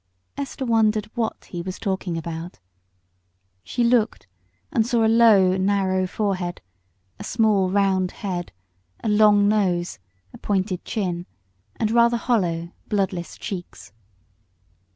Esther wondered what he was talking about, and, looking at him, she saw a low, narrow forehead, a small, round head, a long nose, a pointed chin, and rather hollow, bloodless cheeks.